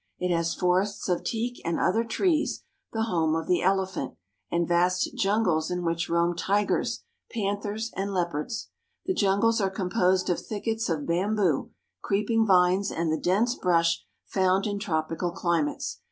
It has forests of teak and other trees, the home of the elephant, and vast jungles in which roam tigers, panthers, and leopards. The jungles are composed of THE WILD ANIMALS OF INDIA 24 1 thickets of bamboo, creeping vines, and the dense brush found in tropical climates.